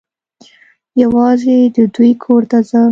یوازي د دوی کور ته ځم .